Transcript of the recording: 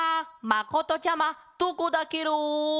まことちゃまどこだケロ？